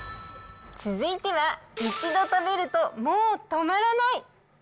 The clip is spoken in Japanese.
続いては、一度食べるともう止まらない。